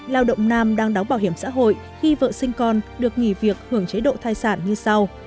lao động nam đang đóng bảo hiểm xã hội khi vợ sinh con được nghỉ việc hưởng chế độ thai sản như sau